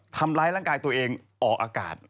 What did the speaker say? ทำร้ายร่างกายตัวเองออกอากาศ